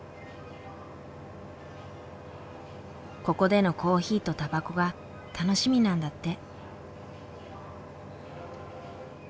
ここでのコーヒーとタバコが楽しみなんだって。